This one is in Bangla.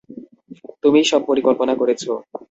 তুমিই সব পরিকল্পনা করেছ।